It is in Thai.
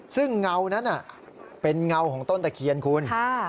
ซึ่งเงานั้นเป็นเงาของต้นตะเคียนคุณ